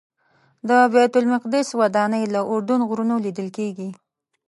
د بیت المقدس ودانۍ له اردن غرونو لیدل کېږي.